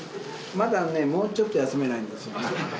まだね、もうちょっと休めないんですね。